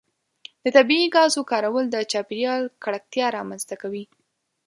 د طبیعي ګازو کارول د چاپیریال ککړتیا رامنځته کوي.